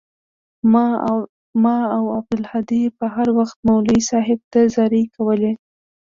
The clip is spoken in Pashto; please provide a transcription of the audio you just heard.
ما او عبدالهادي به هروخت مولوى صاحب ته زارۍ کولې.